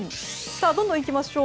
どんどんいきましょう。